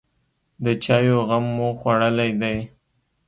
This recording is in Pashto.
_د چايو غم مو خوړلی دی؟